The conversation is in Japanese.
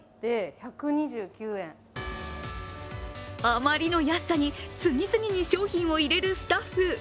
あまりの安さに次々に商品を入れるスタッフ。